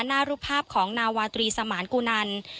หน้ารูปภาพของนวทรีสมรกูนัน